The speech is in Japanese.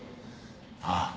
ああ。